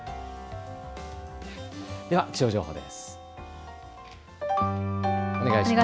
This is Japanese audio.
では気象情報です。